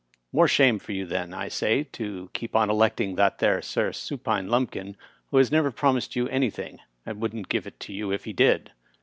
More shame for you then, I say, to keep on electing that there Sir Supine Lumpkin, who has never promised you any thing, and wouldn't give it to you if he did.